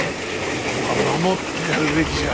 ここは守ってやるべきじゃ。